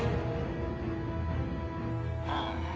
ああ。